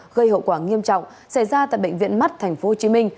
gây hậu quả nghiêm trọng xảy ra tại bệnh viện mắt tp hcm